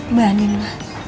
mbak andin lah